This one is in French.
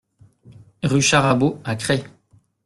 Rue Charabot à Crest